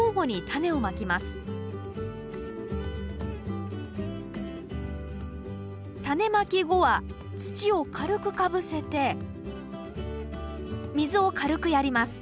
タネまき後は土を軽くかぶせて水を軽くやります